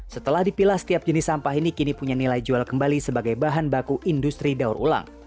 setelah dipilah setiap jenis sampah ini kini punya nilai jual kembali sebagai bahan baku industri daur ulang